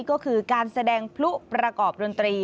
ก็คือการแสดงพลุประกอบดนตรี